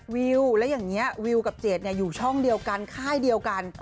วิวแล้วอย่างนี้วิวกับเจดอยู่ช่องเดียวกันค่ายเดียวกัน